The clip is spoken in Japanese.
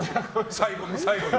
最後の最後に。